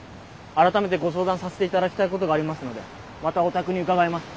改めてご相談させていただきたいことがありますのでまたお宅に伺います。